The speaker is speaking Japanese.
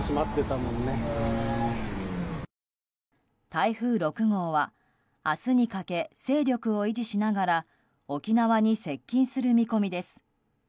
台風６号は明日にかけ勢力を維持しながら沖縄に接近する見込みです。